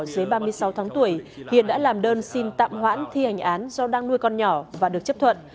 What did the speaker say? dưới ba mươi sáu tháng tuổi hiện đã làm đơn xin tạm hoãn thi hành án do đang nuôi con nhỏ và được chấp thuận